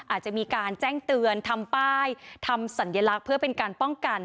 อาจจะมีการแจ้งเตือนทำป้ายทำสัญลักษณ์เพื่อเป็นการป้องกัน